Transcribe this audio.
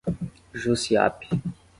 Jussiape